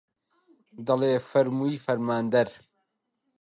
دەڵێ فەرمووی فەرماندەر